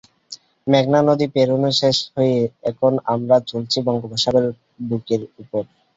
মেঘনা নদী পেরোনো শেষ হয়ে এখন আমরা চলছি বঙ্গোপসাগরের বুকের ওপর।